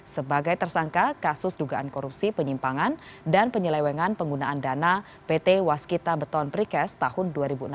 sebagai tersangka kasus dugaan korupsi penyimpangan dan penyelewengan penggunaan dana pt waskita beton precast tahun dua ribu enam belas